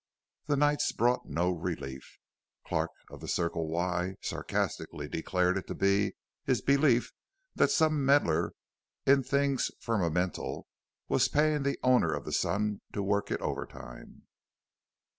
The nights brought no relief. Clark, of the Circle Y, sarcastically declared it to be his belief that some meddler in things firmamental was paying the owner of the sun to work it overtime.